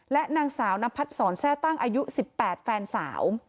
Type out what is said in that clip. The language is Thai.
และนางสาวนพัดศรแทร่ตั้งอายุ๑๘แฟนสาว